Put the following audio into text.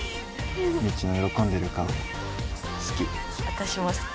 ミチの喜んでいる顔好き。